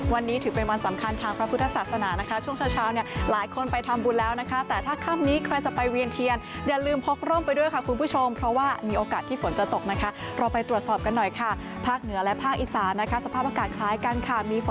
วันนี้ถือเป็นวันสำคัญทางพระพุทธศาสนานะคะช่วงเช้าเนี่ยหลายคนไปทำบุญแล้วนะคะแต่ถ้าครั้งนี้ใครจะไปเวียนเทียนอย่าลืมพกร่มไปด้วยค่ะคุณผู้ชมเพราะว่ามีโอกาสที่ฝนจะตกนะคะเราไปตรวจสอบกันหน่อยค่ะภาคเหนือและภาคอีสานนะคะสำหรับใครจะไปเวียนเทียนอย่าลืมพกร่มไปด้วยค่ะคุณผู้ชมเพราะว่